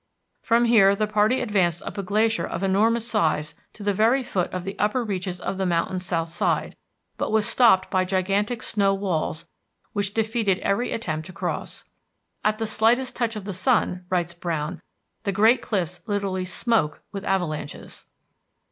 From here the party advanced up a glacier of enormous size to the very foot of the upper reaches of the mountain's south side, but was stopped by gigantic snow walls, which defeated every attempt to cross. "At the slightest touch of the sun," writes Browne, "the great cliffs literally smoke with avalanches."